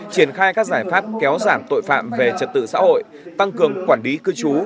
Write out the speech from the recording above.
triển khai các giải pháp kéo giảm tội phạm về trật tự xã hội tăng cường quản lý cư trú